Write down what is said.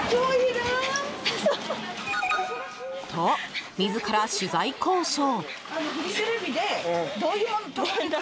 と、自ら取材交渉。